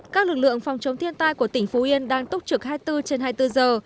các lực lượng phòng chống thiên tai của tỉnh phú yên đang túc trực hai mươi bốn trên hai mươi bốn giờ